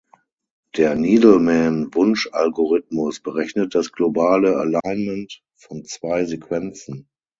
Der Needleman-Wunsch-Algorithmus berechnet das globale Alignment von zwei Sequenzen.